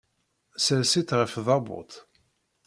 Ssers-itt ɣef tdabut.